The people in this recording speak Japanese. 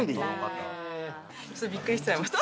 ちょっとビックリしちゃいました。